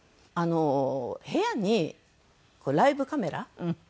部屋にライブカメラ？